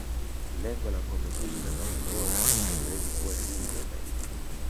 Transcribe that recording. Lengo la ngome hizi za makombora haliwezi kuwa lingine zaidi